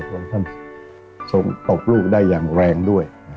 พลงท่านตกลูกได้อย่างแรงด้วย